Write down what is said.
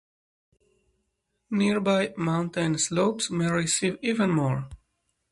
Nearby mountain slopes may receive even more.